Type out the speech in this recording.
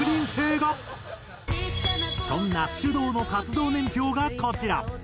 そんなｓｙｕｄｏｕの活動年表がこちら。